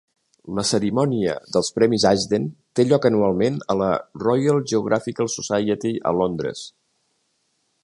La cerimònia dels Premis Ashden té lloc anualment a la Royal Geographical Society a Londres.